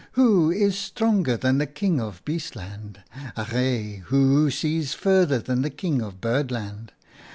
who is stronger than the King of Beastland ? Arre ! who sees further than the King of Birdland